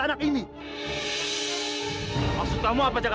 aku tidak akan mencari